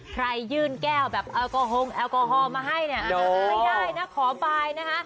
ยื่นแก้วแบบแอลกอฮงแอลกอฮอล์มาให้เนี่ยไม่ได้นะขอบายนะคะ